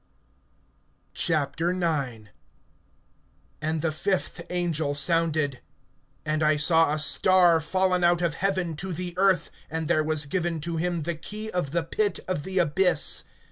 IX. AND the fifth angel sounded; and I saw a star fallen out of heaven to the earth, and there was given to him the key of the pit of the abyss.